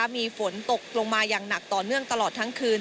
มีฝนตกลงมาอย่างหนักต่อเนื่องตลอดทั้งคืน